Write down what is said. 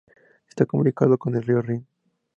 Está comunicado con el río Rin.